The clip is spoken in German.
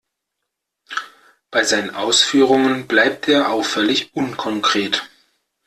Bei seinen Ausführungen bleibt er auffällig unkonkret.